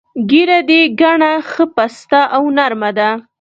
ږیره دې ګڼه، ښه پسته او نر مه ده.